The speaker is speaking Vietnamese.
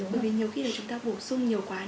bởi vì nhiều khi chúng ta bổ sung nhiều quá trình